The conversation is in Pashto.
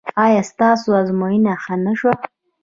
ایا ستاسو ازموینه ښه نه شوه؟